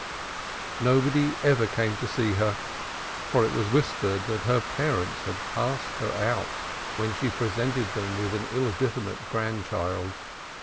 Nobody ever came to see her, for it was whispered that her parents had cast her out when she presented them with an illegitimate grandchild.